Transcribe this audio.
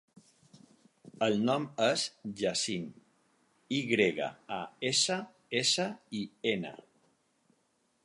El nom és Yassin: i grega, a, essa, essa, i, ena.